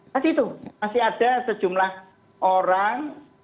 tadi itu masih ada sejumlah orang